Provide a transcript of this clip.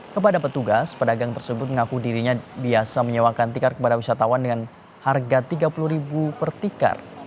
kepada petugas pedagang tersebut mengaku dirinya biasa menyewakan tikar kepada wisatawan dengan harga rp tiga puluh per tikar